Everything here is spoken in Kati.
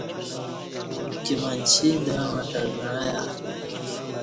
امکی منچی دا مٹر مع ایہ